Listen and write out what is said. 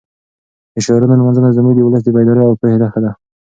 د شاعرانو لمانځنه زموږ د ولس د بیدارۍ او پوهې نښه ده.